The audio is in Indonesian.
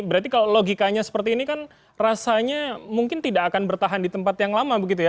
berarti kalau logikanya seperti ini kan rasanya mungkin tidak akan bertahan di tempat yang lama begitu ya